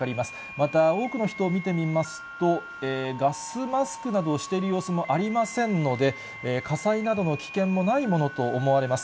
また、多くの人、見てみますと、ガスマスクなどをしている様子もありませんので、火災などの危険もないものと思われます。